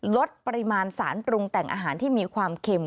ลดปริมาณสารปรุงแต่งอาหารที่มีความเค็ม